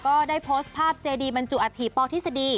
ก็ได้โพสต์ภาพเจดีมันจุอาธิพ่อทิศดี